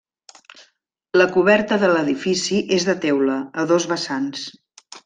La coberta de l'edifici és de teula, a dos vessants.